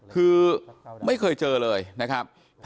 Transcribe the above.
ซึ่งไม่ได้เจอกันบ่อย